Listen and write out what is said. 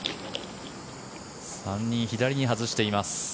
３人左に外しています。